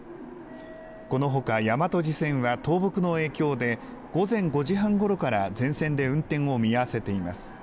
このほか大和路線は倒木の影響で、午前５時半ごろから全線で運転を見合わせています。